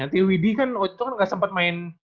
nanti widi kan waktu itu gak sempet main